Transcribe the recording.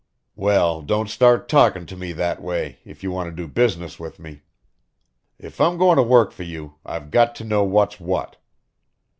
"Well, don't start talkin' to me that way, if you want to do business with me. If I'm goin' to work for you, I've got to know what's what.